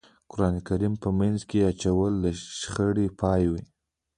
قرآن کریم په منځ کې اچول د شخړې پای وي.